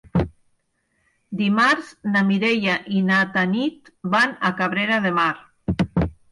Dimarts na Mireia i na Tanit van a Cabrera de Mar.